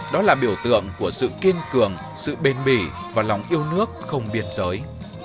đó là biểu tượng của sự kiên cường sự bền bỉ và lòng yêu nước không biên giới